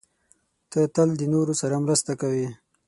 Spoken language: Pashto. ته تل د نورو سره مرسته کوې.